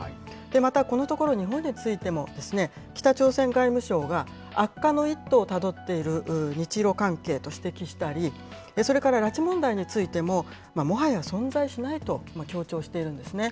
また、このところ、日本についても、北朝鮮外務省が、悪化の一途をたどっている日ロ関係と指摘したり、それから拉致問題についても、もはや存在しないと強調しているんですね。